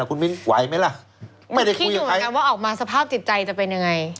อ่ะคุณมิ้นไหวไหมล่ะไม่ได้คุยกับใครคิดอยู่เหมือนกันว่าออกมาสภาพจิตใจจะเป็นยังไง